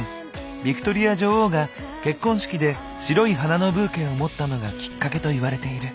ヴィクトリア女王が結婚式で白い花のブーケを持ったのがきっかけといわれている。